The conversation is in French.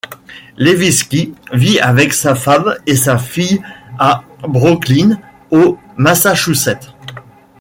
Levitsky vie avec sa femme et sa fille à Brookline au Massachusetts.